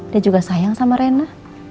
dia juga sayang sama rena